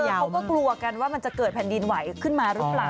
เขาก็กลัวกันว่ามันจะเกิดแผ่นดินไหวขึ้นมาหรือเปล่า